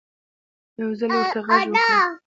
يو ځل ورته غږ وکړه